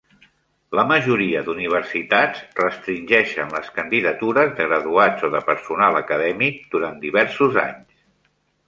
La majoria d'universitats restringeixen les candidatures de graduats o de personal acadèmic durant diversos anys.